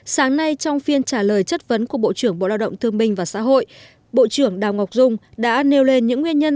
sáng nay trong phiên trả lời chất vấn của bộ trưởng bộ lao động thương minh và xã hội bộ trưởng đào ngọc dung đã nêu lên những nguyên nhân